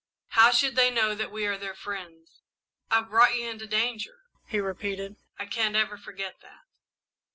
How should they know that we are their friends? I've brought you into danger," he repeated. "I can't ever forget that."